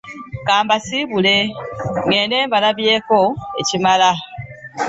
Ka mbasiibule ŋŋende mbalabyeko ekimala.